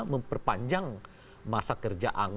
memperpanjang masa kerja